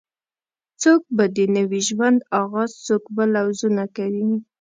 څوک به د نوې ژوند آغاز څوک به لوظونه کوي